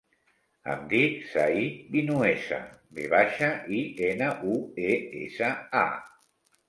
Em dic Zayd Vinuesa: ve baixa, i, ena, u, e, essa, a.